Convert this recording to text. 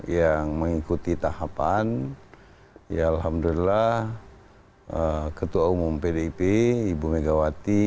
yang mengikuti tahapan ya alhamdulillah ketua umum pdip ibu megawati